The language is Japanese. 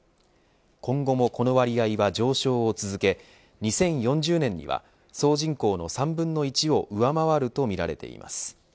今後もこの割合は上昇を続け２０４０年には総人口の３分の１を上回るとみられています。